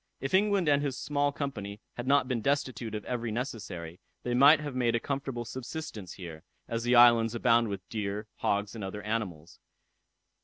If England and his small company had not been destitute of every necessary, they might have made a comfortable subsistence here, as the island abounds with deer, hogs, and other animals.